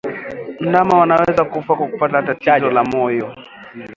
Ndama wanaweza kufa kwa kupata tatizo la moyo